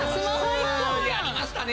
やりましたね！